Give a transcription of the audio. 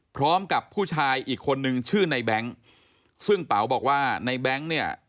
พร้อมกับผู้ชายอีกคนนึงชื่อในแบงค์ซึ่งเป๋าบอกว่าในแบงค์เนี่ย